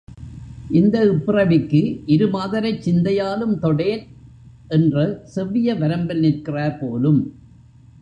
இந்த இப்பிறவிக்கு இரு மாதரைச் சிந்தையாலும் தொடேன் என்ற செவ்விய வரம்பில் நிற்கிறார் போலும்.